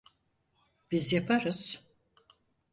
Biz yaparız.